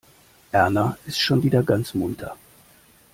Erna ist schon wieder ganz munter.